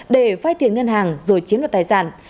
để phai tiền ngân hàng rồi chiếm đoạt tài sản